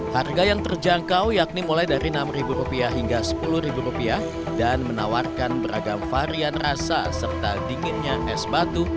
harga yang terjangkau yakni mulai dari rp enam hingga rp sepuluh dan menawarkan beragam varian rasa serta dinginnya es batu